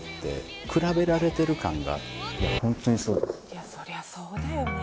いやそりゃそうだよね。